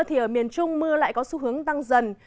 thì ở miền trung mưa lại có xu hướng tăng dần